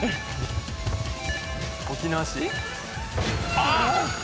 ・あっ！